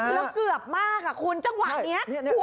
แล้วเกือบมากคุณจังหวะนี้